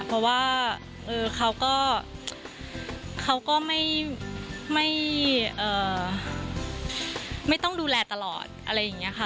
เพราะว่าเขาก็ไม่ต้องดูแลตลอดอะไรอย่างนี้ค่ะ